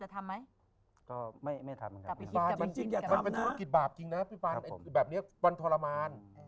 จะทำไหมก็ไม่ทำแบบนี้มันทรมาน